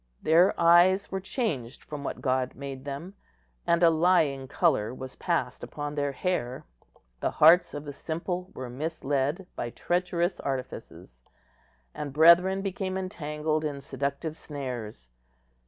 Their eyes were changed from what God made them, and a lying colour was passed upon the hair. The hearts of the simple were misled by treacherous artifices, and brethren became entangled in seductive snares.